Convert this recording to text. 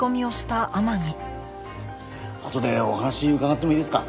あとでお話伺ってもいいですか？